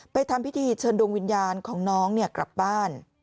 ไปทำพิธีเชิญดวงวิญญาณของน้องเนี่ยออกกลับบ้าน